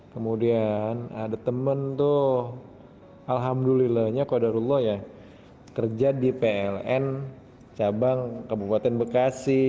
kemudian ada temen tuh alhamdulillahnya kodarullah ya kerja di pln cabang kabupaten bekasi